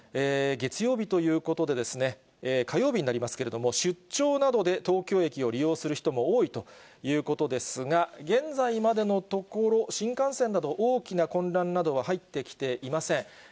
月曜日ということで、火曜日になりますけれども、出張などで東京駅を利用する人も多いということですが、現在までのところ、新幹線など大きな混乱などは入ってきていません。